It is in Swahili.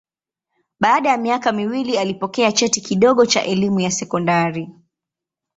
Baada ya miaka miwili alipokea cheti kidogo cha elimu ya sekondari.